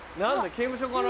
刑務所かな？